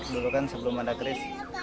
dulu kan sebelum ada kris